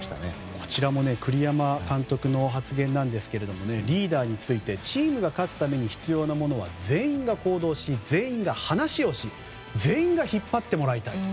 こちら栗山監督の発言なんですがリーダーについてチームに勝つために必要なものは全員が行動し、全員が話をし全員が引っ張ってもらいたい。